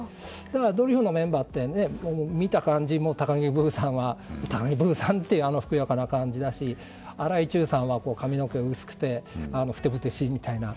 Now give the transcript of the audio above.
ドリフのメンバーって見た感じ、高木ブーさんは高木ブーさんっていうふくよかな感じ出し荒井注さんは髪の毛が薄くてふてぶてしいみたいな。